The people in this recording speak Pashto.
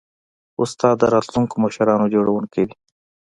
استاد د راتلونکو مشرانو جوړوونکی دی.